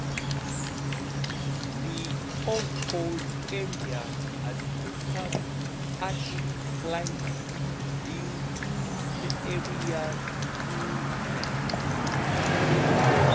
The Hagfors area has a subarctic climate due to the area's cool nights.